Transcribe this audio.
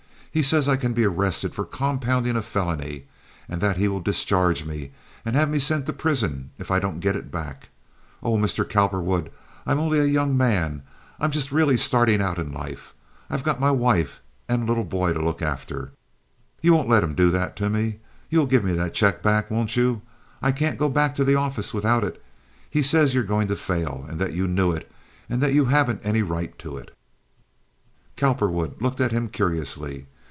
He says I can be arrested for compounding a felony, and that he will discharge me and have me sent to prison if I don't get it back. Oh, Mr. Cowperwood, I am only a young man! I'm just really starting out in life. I've got my wife and little boy to look after. You won't let him do that to me? You'll give me that check back, won't you? I can't go back to the office without it. He says you're going to fail, and that you knew it, and that you haven't any right to it." Cowperwood looked at him curiously.